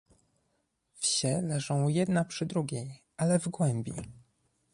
Wsie leżą jedna przy drugiej, ale w głębi.